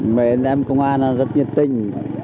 mấy anh em công an rất nhiệt tình